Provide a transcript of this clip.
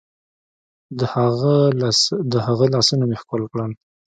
د هغه لاسونه مې ښكل كړل.